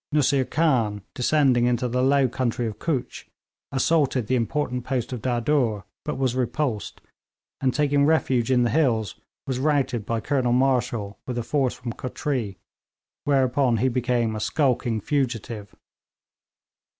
Nusseer Khan, descending into the low country of Cutch, assaulted the important post of Dadur, but was repulsed, and taking refuge in the hills, was routed by Colonel Marshall with a force from Kotree, whereupon he became a skulking fugitive.